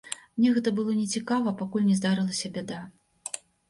Мне гэта было нецікава, пакуль не здарылася бяда.